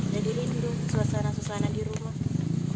jadi ini dulu suasana suasana di rumah